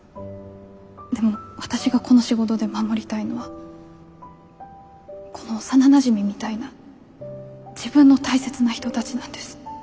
でも私がこの仕事で守りたいのはこの幼なじみみたいな自分の大切な人たちなんです。